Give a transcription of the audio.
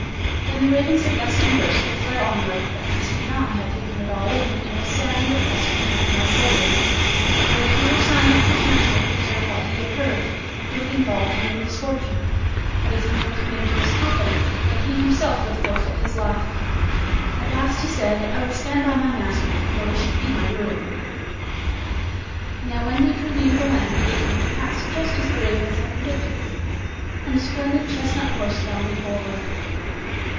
When the ravens had thus conversed they fled onward, but Trusty John had taken it all in, and was sad and depressed from that time forward; for if he were silent to his master concerning what he had heard, he would involve him in misfortune; but if he took him into his confidence, then he himself would forfeit his life. At last he said: "I will stand by my master, though it should be my ruin." Now when they drew near the land it came to pass just as the ravens had predicted, and a splendid chestnut horse bounded forward.